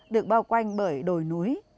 được bao quanh bởi đồi núi